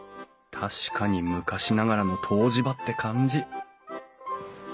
確かに昔ながらの湯治場って感じ。